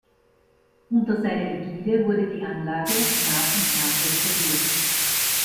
Unter seiner Ägide wurde die Anlage nach und nach restauriert.